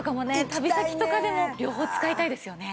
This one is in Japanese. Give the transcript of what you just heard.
旅先とかでも両方使いたいですよね。